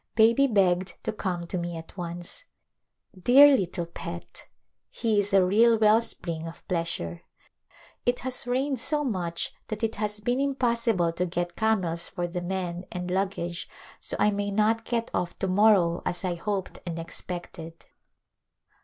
Baby begged to come to me at once. Dear little pet ! he is a real well spring of pleasure. It has rained so much that it has been impossible to get camels for the men and luggage so I may not get off to morrow as I hoped and expected.